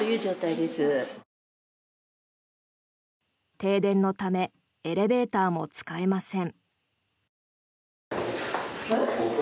停電のためエレベーターも使えません。